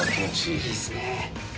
いいっすね。